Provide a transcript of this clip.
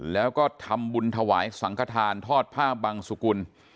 แล้วก็ทำบุญถวายสังขทานทอดผ้าบังสุกุล